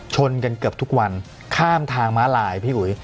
ชนกันเกือบทุกวันข้ามทางม้าลายพี่อุ๋ย